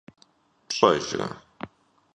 ПщӀэжрэ?